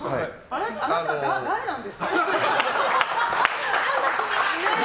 あなた、誰なんですか？